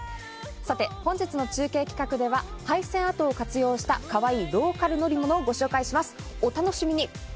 本日の中継企画では廃線跡を活用したかわいいローカル乗り物をご紹介します、お楽しみに。